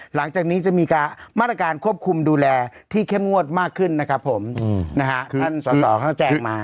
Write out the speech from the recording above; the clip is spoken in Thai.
หลังจากนี้จะมีมาตรการควบคุมดูแลที่เข้มงวดมากขึ้นนะครับผมนะฮะท่านสอสอเขาแจงมา